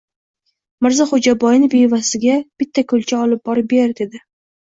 — Mirzaxo‘jaboyni bevasiga bitta kulcha olib bo-rib ber, — dedi.